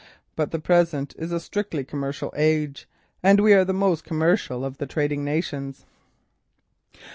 But the present is a strictly commercial age, and we are the most commercial of the trading nations.